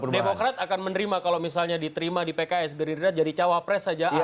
demokrat akan menerima kalau misalnya diterima di pks gerindra jadi cawapres saja